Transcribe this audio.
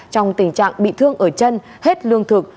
trong tình trạng bị thương ở chân hết lương thực